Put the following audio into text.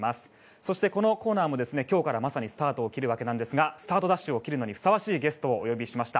そしてこのコーナーも今日からまさにスタートを切るわけですがスタートダッシュを切るのにふさわしいゲストをお迎えしました。